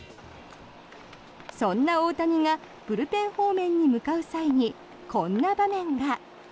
そんな大谷がブルペン方面に向かう際にこんな場面が。